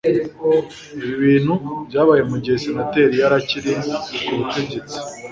ibi bintu byabaye mugihe senateri yari akiri ku butegetsi